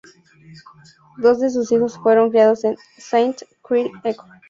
Dos de sus hijos fueron criados en Saint-Cyr-l'École.